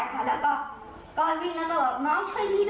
มันก็ถอยกลับแล้วมันก็ไปออกมาแล้วมันบอกว่ายังไม่ทำอะไรเลยยังไม่ทำอะไรเลย